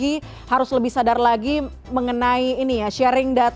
tinggal cari kendaraan tinggal cari metode yang tepat